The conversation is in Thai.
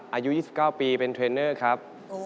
อายุ๒๙ปีเป็นเทรนเนอร์ครับ